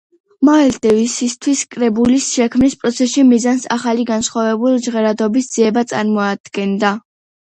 მაილს დევისისთვის კრებულის შექმნის პროცესში მიზანს ახალი, განსხვავებული ჟღერადობის ძიება წარმოადგენდა.